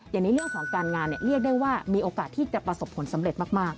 ในเรื่องของการงานเรียกได้ว่ามีโอกาสที่จะประสบผลสำเร็จมาก